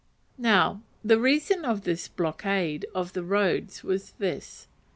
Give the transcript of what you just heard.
Now, the reason of this blockade of the roads was this.